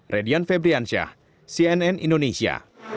radian febriansyah cnn indonesia